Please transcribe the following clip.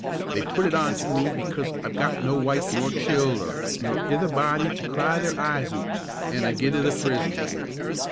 They put it on to me because I've got no wife nor childer, nor ither body to cry their eyes oot, an' I get i' the prison for it.